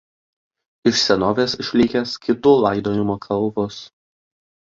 Iš senovės išlikę skitų laidojimo kalvos.